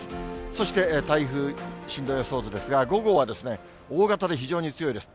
そして、台風進路予想図ですが、５号は大型で非常に強いです。